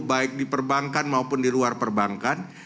baik di perbankan maupun di luar perbankan